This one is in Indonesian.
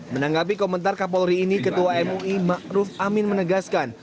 menanggapi komentar kapolri ini ketua mui ma'ruf amin menegaskan